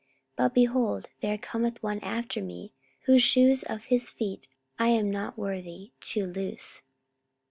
But, behold, there cometh one after me, whose shoes of his feet I am not worthy to loose.